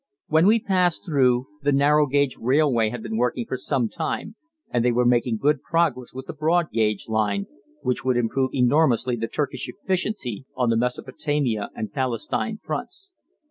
When we passed through, the narrow gauge railway had been working for some time and they were making good progress with the broad gauge line, which would improve enormously the Turkish efficiency on the Mesopotamia and Palestine fronts.